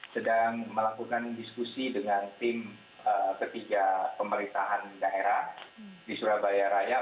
sedang melakukan diskusi dengan tim ketiga pemerintahan daerah di surabaya raya